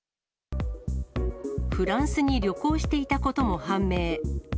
フランスに旅行していたことも判明。